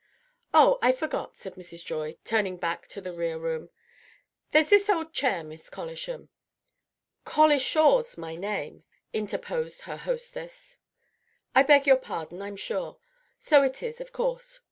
"Oh, I forgot!" said Mrs. Joy, turning back to the rear room. "There's this old chair, Miss Collisham." "Colishaw's my name," interposed her hostess. "I beg your pardon, I'm sure; so it is, of course.